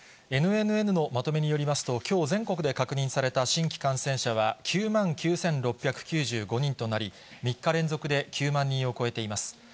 ＮＮＮのまとめによりますと、きょう全国で確認された新規感染者は９万９６９５人となり、３日連続で９万人を超えています。